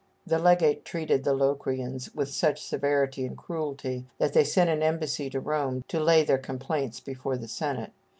The legate treated the Locrians with such severity and cruelty that they sent an embassy to Rome to lay their complaints before the Senate.